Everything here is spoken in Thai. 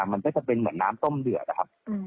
มันก็จะเป็นเหมือนน้ำต้มเดือดนะครับ